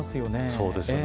そうですね。